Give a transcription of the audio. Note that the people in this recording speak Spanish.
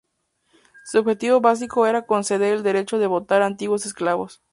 Su objetivo básico era conceder el derecho de votar a antiguos esclavos.